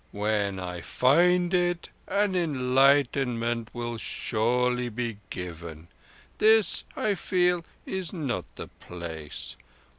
"When I find it, an enlightenment will surely be given. This, I feel, is not the place.